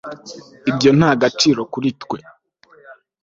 ibyo nta gaciro kuri twe